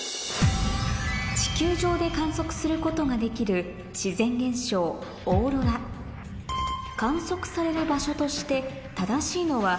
地球上で観測することができる自然現象って。